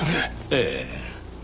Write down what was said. ええ。